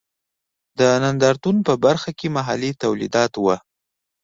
د نندارتون په برخه کې محلي تولیدات و.